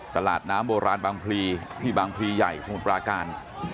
ตลาดน้ำโบราณบางพลีที่บางพลีใหญ่สมุทรปราการ